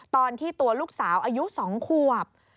ตอนที่ตัวลูกสาวอายุ๒ขวบ